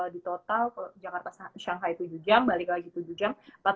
di total jakarta shanghai tujuh jam balik lagi tujuh jam